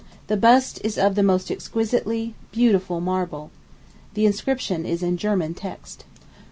The bust is of the most exquisitely beautiful marble. The inscription is in German text.